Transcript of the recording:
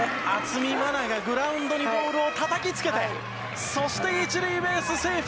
渥美万奈がグラウンドにボールをたたきつけてそして、１塁ベースセーフ。